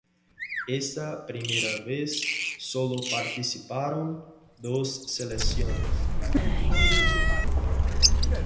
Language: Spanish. Esa primera vez sólo participaron dos selecciones.